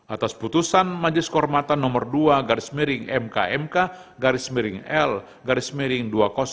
atas putusan majelis kehormatan nomor dua garis miring mk mk garis miring l garis miring dua ribu dua puluh tiga